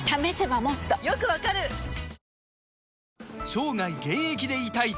生涯現役でいたい！